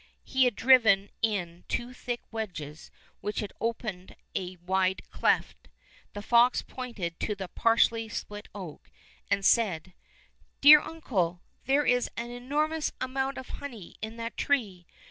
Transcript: He had driven in two thick wedges which had opened a wide cleft. The fox pointed to the partially split oak, and said, ''Dear uncle, there is an enormous amount of honey in that tree.